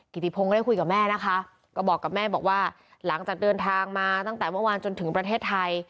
กิติพงศ์ก็ได้คุยกับแม่นะคะก็บอกกับแม่บอกว่าหลังจากเดินทางมาตั้งแต่เมื่อวานจนถึงประเทศไทย